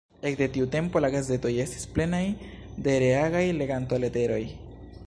Ekde tiu tempo la gazetoj estis plenaj de reagaj legantoleteroj.